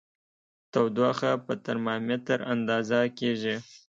تودوخه په ترمامیتر اندازه کېږي.